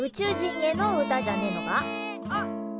あっ。